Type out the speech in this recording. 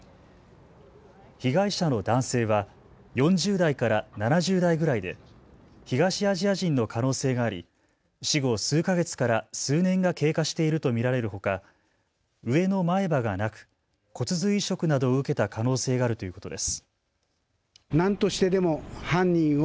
被害者の男性は４０代から７０代ぐらいで東アジア人の可能性があり死後数か月から数年が経過していると見られるほか、上の前歯がなく骨髄移植などを受けた可能性があるということです。